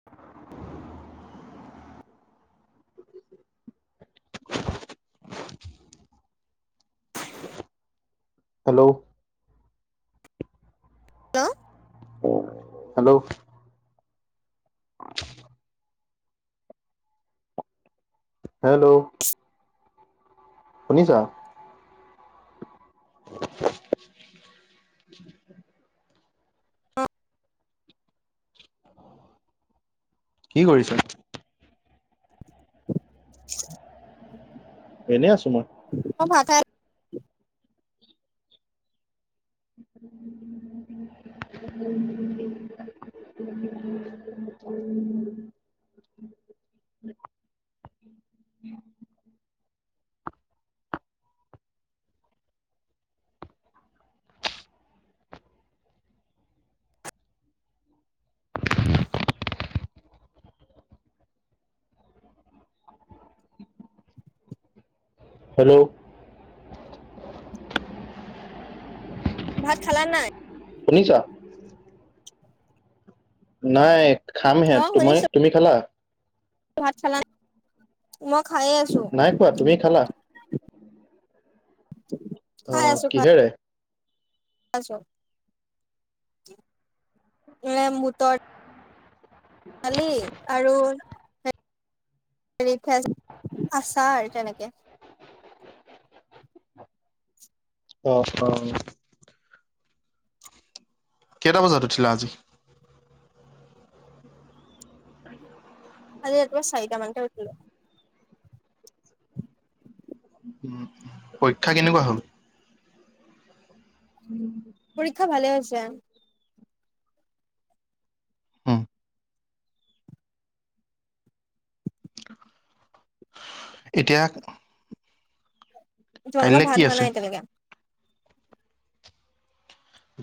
[inaudible] Hello. Hello. [unintelligible] Hello. Hello. শুনিছা? [inaudible] কি কৰিছা? [unintelligible] এনেই আছো মই। অ [unintelligible] হেল্ল'। ভাত খালা নাই? শুনিছা? নাই খামহে, অ তুম শুনিছো তুমি খালা? ভাত খালা, [unintelligible] মই খাইে আছো। কোৱা তুমি খালা? খাই অ', আছো খাই কিহেৰে? [unintelligible] [unintelligible] আৰু [unintelligible] আছাৰ তেনেকে। অ', অ', কেইটা বজাত উঠিলা আজি? আজি ৰাতিপুৱা চাৰিটামান টে উঠিলো। উম, পৰীক্ষা কেনেকুৱা হল? উম, পৰীক্ষা ভালে হৈছে। হম, এতিয়া তোমালোকৰ কাইলৈ কি ভাত হোৱা আছে? নাই এতিয়ালেকে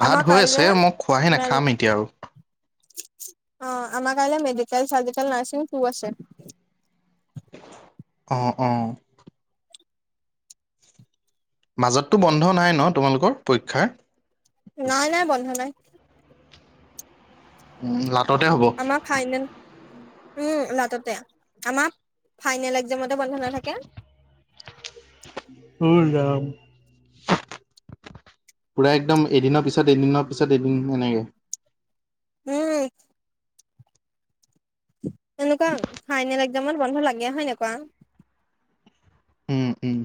ভাত আমাৰ হৈ আছে কাইলে মই খোৱাহে [unintelligible] নাই ম খাম এতিয়া আৰু। অ, আমাৰ কাইলৈ মেডিকেল চাৰ্জিকেল নাৰ্ছিং আছে। অ', অ', মাজততো বন্ধ নাই ন তোমালোকৰ পৰীক্ষাৰ। নাই - নাই বন্ধ নাই। উম, লাটতে হব। আমাৰ ফাইনেল উম, লাটতে আমাৰ ফাইনেল এক্সামতে বন্ধ নাথাকে। অ, যাম। পুৰা একদম এদিনৰ পিছত - এদিনৰ পিছত এদিন এনেকে। উম, এনেকুৱা ফাইনেল একজামত বন্ধ লাগে হয় নে কোৱা। উম-উম।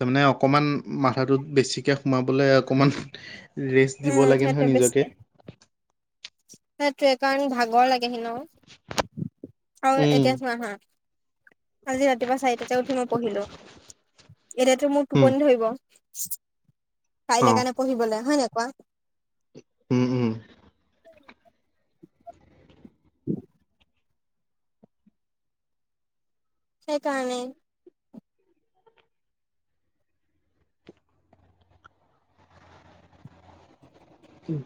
তাৰমানে অকমান মাথাটোত বেছিকে সোমাবলে অকমান ৰেষ্ট উম দিব লাগে নহয় নিজকে। সেইটোৱেই কাৰণ ভাগৰ লাগেহি ন আৰু উম, এতিয়া চোৱা হা আজি ৰাতিপুৱা চাৰিটাতে উঠি মই পঢ়িলো এতিয়াতো মোৰ উম, টোপনি ধৰিব। অ, কাইলৈ কাৰণে পঢ়িবলে হয় ন কোৱা। উম, উম, উম, সেইকাৰণেই।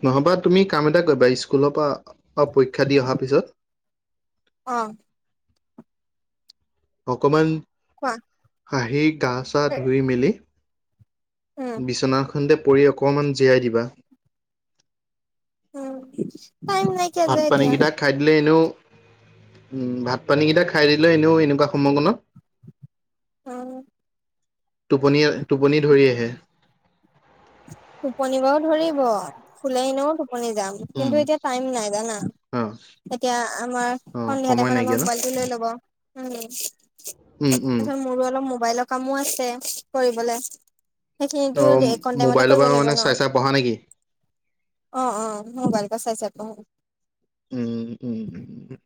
নহবা তুমি কাম এটা কৰিবা স্কুলৰ পৰা পৰীক্ষা দি অহাৰ পিছত অ', অকমান কোৱা? আহি গা চা ধুই মেলি উম বিচনাখনতে পৰি অকণমান জীৰাই দিবা। উম, টাইম নাই। ভাত পানীকেইটা খাই দিলে এনেও উম, ভাত পানী কেইটা খাই দিলেও এনেও এনেকুৱা সময়কনত অ', টোপনি - টোপনি ধৰি আহে। টোপনি বাৰ ধৰিব শুলে এনেও টোপনি যাম উম, কিন্তু এতিয়া টাইম নাই জানা। অ, তেতিয়া আমাৰ অ, সন্ধিয়া সময় টাইমত আমাৰ নাইকিয়া ন? মবাইলটো লৈ ল'ব। উম, উম, উম, তাৰপিছত মোৰো অলপ মোবাইলৰ কামো আছে কৰিবলে। সেইখিনিতো অ, কন টাইমতে মোবাইলৰ পৰা লাগিব মানে ন, চাই চাই পঢ়া নেকি? অ', অ', মোবাইলক চাই চাই পঢ়ো। উম - উম - উম।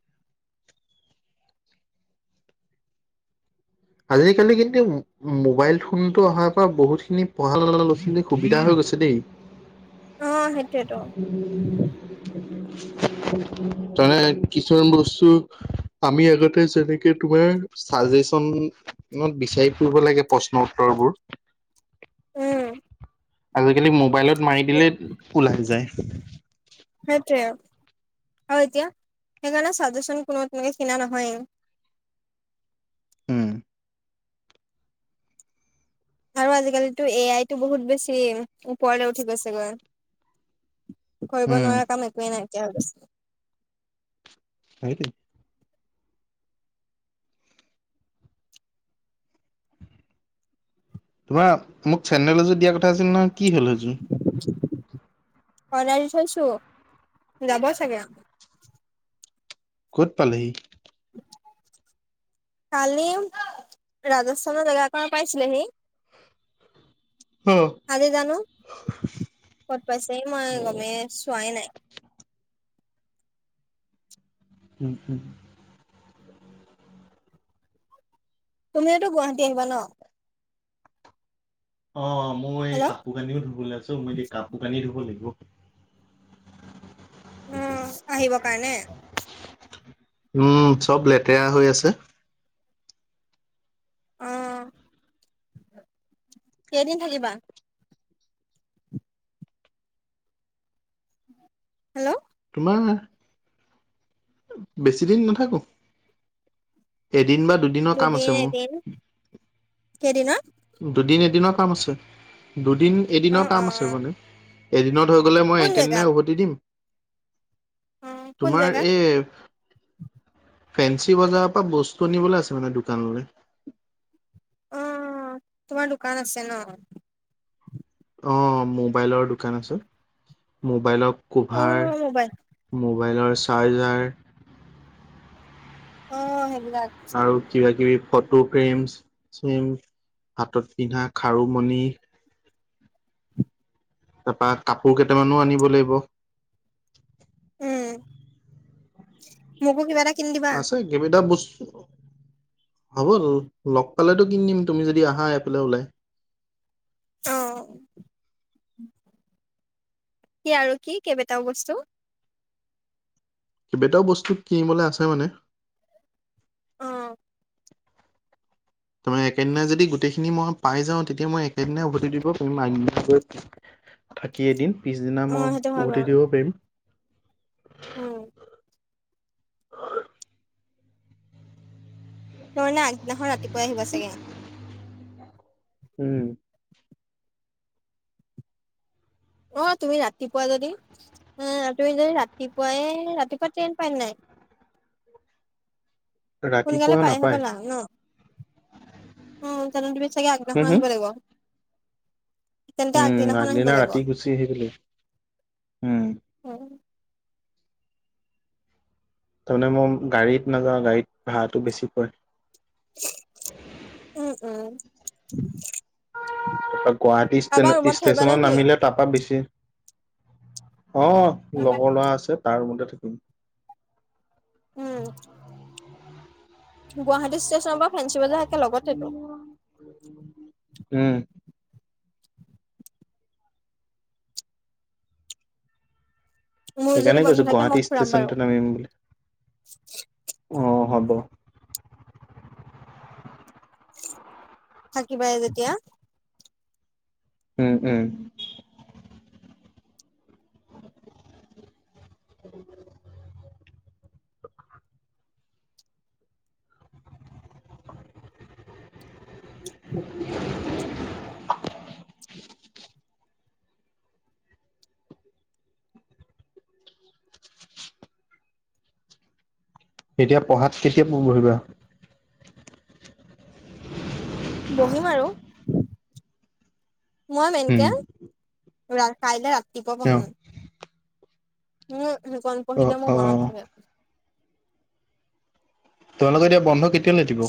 আজে কালি কিন্তু মোবাইল ফোনতটো অহাৰ পৰা বহুতখিনি পঢ়া [unintelligible] লৰা ছোৱালী সুবিধা হৈ গৈছে দেই। অ সেইটোৱেতো উম, [unintelligible] তানে কিছুমান বস্তু আমি আগতে যেনেকে তোমাৰ চাজেচনত বিচাৰি ফুৰিব লাগে প্ৰশ্ন উত্তৰবোৰ। উম, আজিকালি মোবাইলত মাৰি দিলে ওলাই যায়। সেইটোৱে আৰু এতিয়া সেইকাৰণে চাজেচন কোনো তেনেকে কিনা নহয়। উম। আৰু আজিকালিতো এ আইতো বহুত বেছি ওপৰলৈ উঠি গৈছেগৈ। কৰিব উম নোৱাৰা কাম একোৱেই নাইকিয়া হৈ গৈছে। [unintelligible] তোমাৰ মোক চেণ্ডেল এযোৰ দিয়া কথা আছিল নহয় কি হ'ল সেইযোৰ। অৰ্ডাৰ দি থৈছো যাব চাগে। ক'ত পালেহি। কালি ৰাজস্থানৰ জেগাখন পাইছিলেহি। অ' আজি জানো কত পাইছে মই গমে চোৱাই নাই। উম তুমিতো গুৱাহাটী আহিবা ন। অ' মই হেল্ল' আহো কানিও ধুবলে আছে মই কাপোৰ কানি ধুব লাগিব। উম, আহিব কাৰণে [unintelligible] উম চব লেতেৰা হৈ আছে। অ', কেইদিন থাকিবা। হেল্ল' তোমাৰ বেছি দিন নাথাকো এদিন বা দুদিন। দুদিন এদিন, কেইদিনত। দুদিন এদিনৰ কাম আছে দুদিন এদিনৰ অ', কাম অ', আছে অ', মানে এদিনত হৈ গলে মই কোন জেগাত? একেদিনাই উভতি দিম অ', কোন তোমাৰ জেগা? এই। ফেঞ্চি বজাৰৰ পৰা বস্তু আনিবলৈ আছে মানে দোকানলে অ', তোমাৰ দোকান আছে ন অ' মোবাইলৰ দোকান আছোঁ মোবাইলৰ অ কোভাৰ মোবাইল মোবাইলৰ চাৰ্জাৰ। অ', সেইবিলাক আৰু কিবা কিবি ফটো ফ্ৰেম, চেম, হাতত পিন্ধা খাৰুমণি। তাৰপা কাপোৰ কেইটামানো আনিব লাগিব। উম মোকো কিবা এটা কিনি দিবা। কেইবাতাও বস্তু, হ'ব হ'ব লগ পালেতো কিনিদিম তুমি যদি আহা এফালে ওলাই। অ', কি আৰু কি কেইবটাও বস্তু কেবাটাও বস্তু কিনিবলৈ আছে মানে অ', তাৰমানে একেদিনা যদি গোটেইখিনি মই পাই যাওঁ তেতিয়া মই একেদিনাই উভতি দিব পাৰিম আ থাকি এদিন পিছদিনা অ মই সেইটো হয় উভতি বাৰু দিব পাৰিম উম ত' মানে আগদিনাখন ৰাতিপুৱাই আহিব চাগে উম অ' তুমি ৰাতিপুৱা যদি অ' তুমি যদি ৰাতিপুৱাই ৰাতিপুৱা ট্ৰেইন পাই নাই সোনকালে ৰাতিপুৱা পাই নাপায় হবলা ন অ' জানো তুমি চাগে আগদিনা হম হম আহিব লাগিব তেন্তে উম আগদিনাখন আহিব আগদিনা লাগিব ৰাতি গুচি আহিবলৈ উম তাৰমানে মই গাড়ীত নাযাওঁ গাড়ীত ভাড়াটো বেছি পৰে উম উম তাৰ গুৱাহাটী কাৰোবাৰ ষ্টেন ৰুমত থাকিবা ষ্টেচনত নেকি নামিলে তাপা বেছি অ লগৰ ল'ৰা আছে তাৰ ৰোমতে থাকিম উম গুৱাহাটী ষ্টেচনৰ পৰা ফেঞ্চী বজাৰ একে লগতেটো উম মোৰ যদি সেইকাৰণে বন্ধ কৈছো থাকে মই গুৱাহাটী ফুৰাম বাৰু ষ্টেচনটে নামিম বুলি অ হ'ব থাকিবাই যেতিয়া উম উম [unintelligible] এতিয়া পঢ়াত কেতিয়া পু বহিবা বহিম আৰু মই উম মেনকে ৰা কাইলে ৰাতিপুৱা অ পঢ়িম মোৰ সেইকণ অ পঢ়িলে অ মোৰ মনত থাকে তোমালোকৰ এতিয়া বন্ধ কেতিয়ালে দিব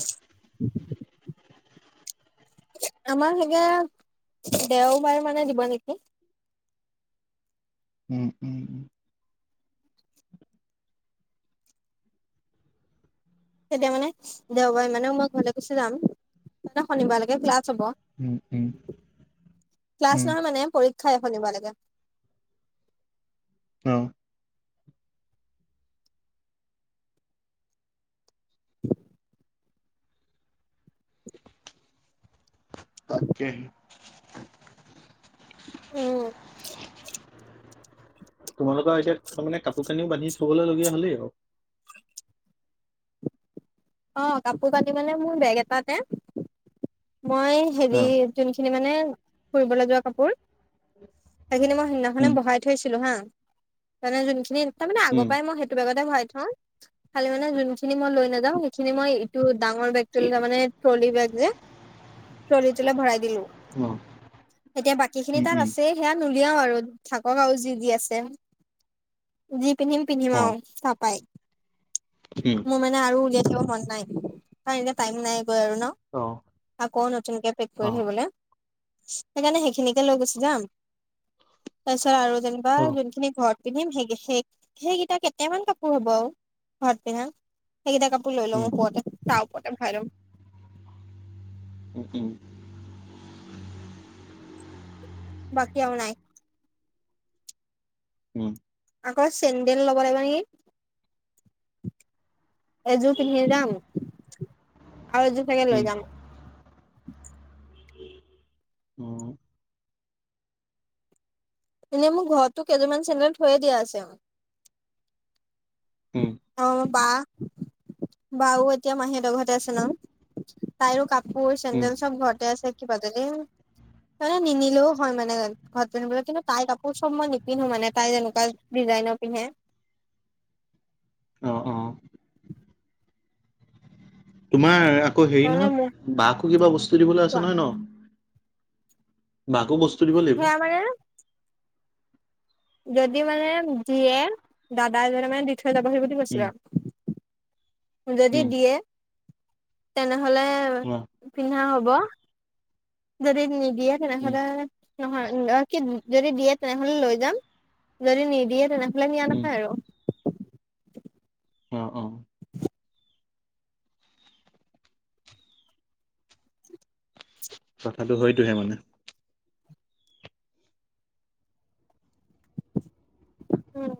আমাৰ চাগে দেওবাৰ মানে দিব নিকি উম উম উম তেতিয়া মানে দেওবাৰে মানে মই ঘৰলে গুচি যাম শনিবাৰলেকে ক্লাছ হ'ব উম উম ক্লাছ উম নহয় মানে পৰীক্ষা শনিবাৰ লেকে অ তাকেহে উম তোমালোকৰ এতিয়া তাৰমানে কাপোৰ কানিও বান্ধি থবলগীয়া হলেই আৰু অ কাপোৰ কানি মানে মোৰ বেগ এটাতে মই অ হেৰি যোনখিনি মানে ফুৰিবলে যোৱা কাপোৰ সেইখিনি মই সিদিনাখনে উম ভৰাই থৈছিলো হা তামানে যোনখিনি মানে আগৰ উম পৰাই মই সেইটো বেগতে ভৰাই থওঁ খালি মানে যোনখিনি মই লৈ নাযাওঁ সেইখিনি মই। টো ডাঙৰ বেগটো তাৰ মানে ট্ৰলি বেগ যে ট্ৰলি তোলে ভৰাই দিলো অ এতিয়া বাকী খিনি উম তাত উম আছে সেয়া নুলিয়াও আৰু থাকক আৰু যি যি আছে। যি পিন্ধিম পিন্ধিম অ আৰু তাপাই উম মোৰ মানে আৰু উলিয়াই। কিয় মন নাই কাৰ এতিয়া টাইম নাই গৈ আৰু ন অ আকৌ নতুনকে পেক কৰি অ থাকিবলে সেইকাৰণে সেইখিনিকে লৈ গুচি যাম তাৰপিছত আৰু যেনিবা অ যোনখিনি ঘৰত পিন্ধিম সেই সেই সেইকেইটা কেইটামান কাপোৰ হ'ব আৰু ঘৰত পিন্ধা সেইকেইটা কাপ লৈ উম লও ওপৰতে তাৰ ওপৰতে ভৰাই লম হুম বাকি আৰু নাই উম আকৌ চেণ্ডেল ল'ব লাগিব নিকি। এযোৰ পিন্ধি যাম, আৰু এযোৰ চাগে উম লৈ যাম। উম। এনে মোৰ ঘৰত তো কেইযোৰমান চেন্দেল থৈয়ে দিয়া আছে আও উম। অ' বা বাও এতিয়া মাহীহতৰ ঘৰতে আছে ন। তাইৰো কাপোৰ, উম চেণ্ডেল চব ঘৰটে আছে কিবা কিবি। মানে নিনিলেও হয় মানে ঘৰত পিন্ধিবলৈ কিন্তু তাইৰ কাপোৰ চব মই নিপিন্ধো মানে তাই যেনেকুৱা। ডিজাইনৰ পিন্ধে। অ অ' তোমাৰ আকৌ হেৰি তাৰমানে মোক নহয় বাকো কিবা বস্তু দিবলৈ কোৱা আছে নহয় ন? বাকো বস্তু দিব লাগিব। সেয়া মানে যদি মানে দিয়ে দাদা এজনে মানে দি থৈ যাবহি বুলি কৈছিলে উম আও যদি উম দিয়ে তেনেহ'লে অ পিন্ধা হ'ব। যদি নিদিয়ে উম তেনেহ'লে। নহয় কি যদি দিয়ে তেনেহ'লে লৈ যাম যদি নিদিয়ে তেনেহ'লে নিয়া উম নহয় আৰু। অ', অ', কথাটো সেইটোহে মানে। উম,